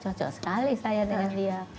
cocok sekali saya dengan dia